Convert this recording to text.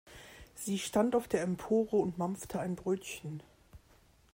Sie stand auf der Empore und mampfte ein Brötchen.